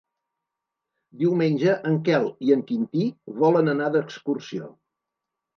Diumenge en Quel i en Quintí volen anar d'excursió.